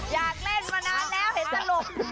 อยากเล่นมานานแล้วเห็นสรุป